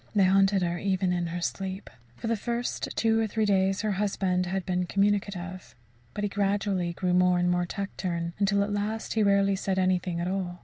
They haunted her even in her sleep. For the first two or three days her husband had been communicative; but he gradually grew more and more taciturn, until at last he rarely said anything at all.